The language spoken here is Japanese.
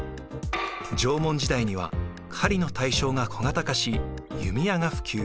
縄文時代には狩りの対象が小型化し弓矢が普及。